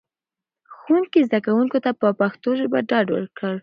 ښوونکي زده کوونکو ته په پښتو ژبه ډاډ ورکړ.